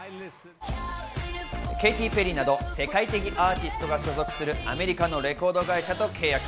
ケイティ・ペリーなど、世界的アーティストが所属するアメリカのレコード会社と契約。